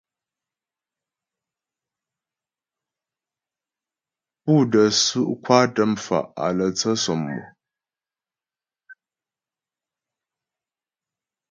Pú də́ su' kwatə mfa' á lə́ tsə sɔmmò.